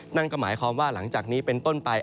นั่นก็หมายความว่าหลังจากนี้เป็นต้นไป